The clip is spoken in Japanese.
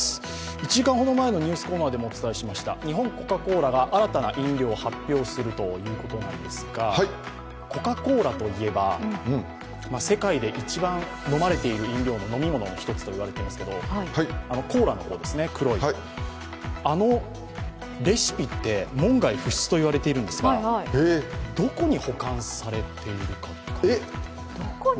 １時間ほど前のニュースコーナーでもお伝えしました、日本コカ・コーラが新たな飲料を発表するということなんですが、コカ・コーラといえば、世界で一番飲まれている飲料の一つですがコーラの方ですね、黒い、あのレシピって門外不出といわれてるんですが、どこに保管されているか。